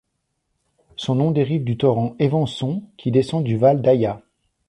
Son nom dérive du torrent Évançon, qui descend du Val d'Ayas.